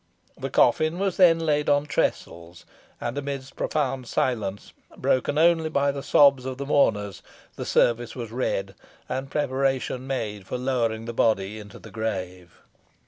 The coffin was then laid on trestles, and amidst profound silence, broken only by the sobs of the mourners, the service was read, and preparations made for lowering the body into the grave.